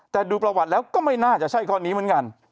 แต่ดูประวัติแล้วก็ไม่น่าจะใช่ข้อนี้เหมือนกัน